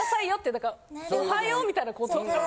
だから「おはよう」みたいなこと。